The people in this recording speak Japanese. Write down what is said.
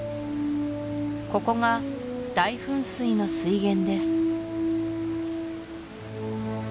ここが大噴水の水源です